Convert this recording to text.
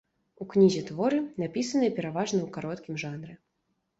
У кнізе творы, напісаныя пераважна ў кароткім жанры.